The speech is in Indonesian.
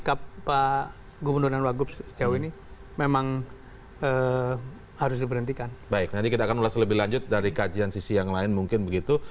kemudian dari kejanggalan itu kemudian dari kejanggalan itu